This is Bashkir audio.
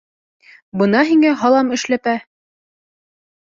Бына һиңә һалам эшләпә!